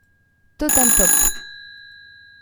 Total Pop!